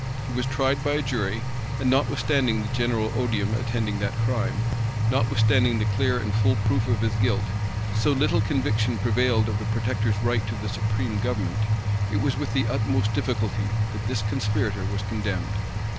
He was tried by a jury; and, notwithstanding the general odium attending that crime, notwithstanding the clear and full proof of his guilt, so little conviction prevailed of the protector's right to the supreme government, it was with the utmost difficulty[*] that this conspirator was condemned.